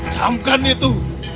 jam kan itu